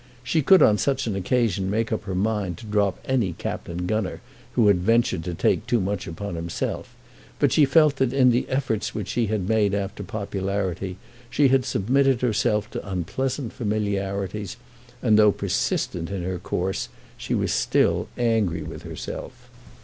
She could on such an occasion make up her mind to drop any Captain Gunner who had ventured to take too much upon himself; but she felt that in the efforts which she had made after popularity, she had submitted herself to unpleasant familiarities; and though persistent in her course, she was still angry with herself.